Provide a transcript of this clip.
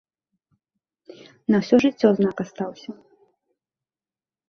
На ўсё жыццё знак астаўся.